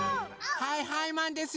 はいはいマンですよ！